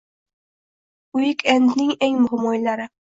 Uik-endning eng muhim o‘yinlari